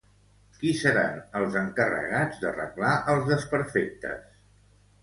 Qui seran els encarregats d'arreglar els desperfectes?